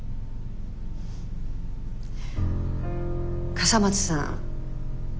笠松さん。